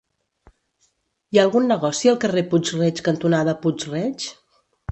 Hi ha algun negoci al carrer Puig-reig cantonada Puig-reig?